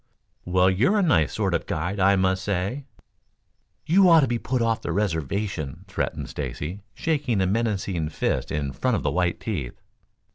"Well, you're a nice sort of a guide, I must say." "You ought to be put off the reservation," threatened Stacy, shaking a menacing fist in front of the white teeth.